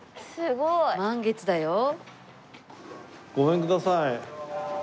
ごめんください。